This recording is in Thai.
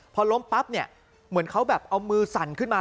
พอล้มปั๊บเนี่ยเหมือนเขาแบบเอามือสั่นขึ้นมา